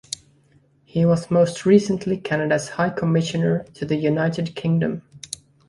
He was most recently Canada's High Commissioner to the United Kingdom.